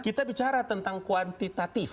kita bicara tentang kuantitatif